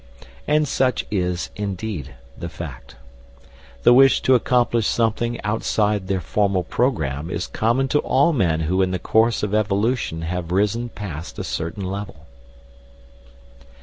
And such is, indeed, the fact. The wish to accomplish something outside their formal programme is common to all men who in the course of evolution have risen past a certain level.